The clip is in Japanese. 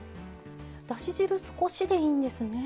だし汁少しでいいんですね。